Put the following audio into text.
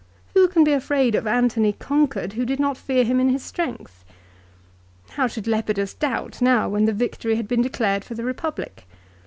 4 Who can be afraid of Antony conquered who did not fear him in his strength ? How should Lepidus doubt now when victory had declared for the Ee public?